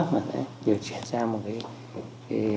mà phải chuyển sang một cái